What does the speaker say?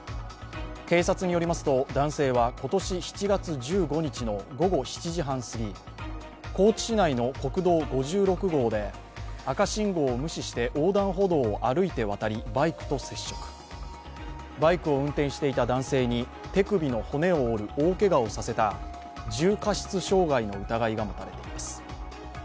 警察によりますと、男性は今年７月１５日の午後７時半すぎ、高知市内の国道５６号で赤信号を無視して横断歩道を歩いて渡りバイクと接触、バイクを運転していた男性に手首の骨を折る大けがをさせた重過失傷害の疑いがもたれています。